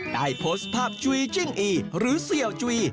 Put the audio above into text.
ได้โพสต์ภาพจุยจิ้งอีหรือเสี่ยวจุย